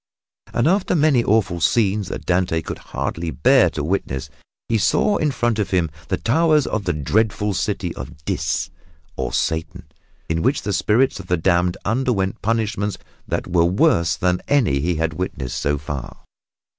And after many awful scenes that Dante could hardly bear to witness, he saw in front of him the towers of the dreadful city of Dis, or Satan, in which the spirits of the damned underwent punishments that were worse than any he had witnessed thus far.